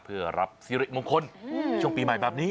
เพื่อรับสิริมงคลในช่วงปีใหม่แบบนี้